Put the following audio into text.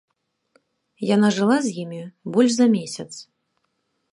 Яна жыла з імі больш за месяц.